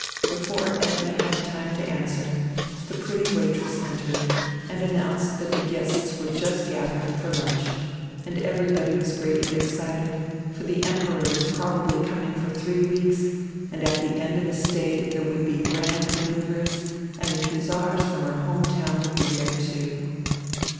Before Effi had time to answer, die pretty waitress en tered and announced diat die guests were just gadiering for lunch, and everybody was gready excited, for die Emperor was probably coming for diree weeks and at die end of his stay diere would be grand manoeuvres and die hussars from her home town would be diere, too.